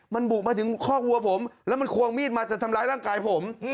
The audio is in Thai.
มันบุกมาถึงคอกวัวผมแล้วมันควงมีดมาจะทำร้ายร่างกายผม